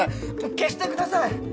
消してください！